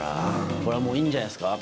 これはいいんじゃないですか。